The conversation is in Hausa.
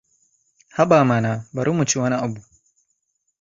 Haba mana, bari mu ci wani abu!